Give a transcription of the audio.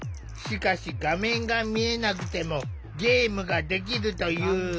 しかし画面が見えなくてもゲームができるという。